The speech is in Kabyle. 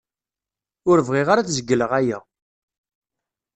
Ur bɣiɣ ara ad zegleɣ aya.